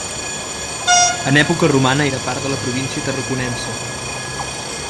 En època romana era part de la província Tarraconense.